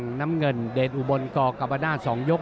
ไว้อยู่ที่ตลาด